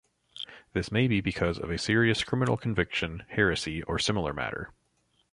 This may be because of a serious criminal conviction, heresy, or similar matter.